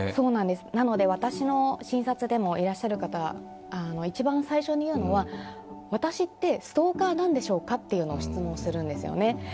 なので、私の診察でもいらっしゃる方、一番最初に言うのは、私ってストーカーなんでしょうかというのを質問するんですよね。